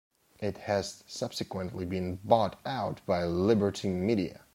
It has subsequently been bought out by Liberty Media.